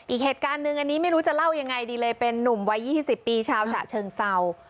อีกเหตุการณ์หนึ่งอันนี้ไม่รู้จะเล่ายังไงดีเลยเป็นนุ่มวัย๒๐ปีชาวฉะเชิงเศร้า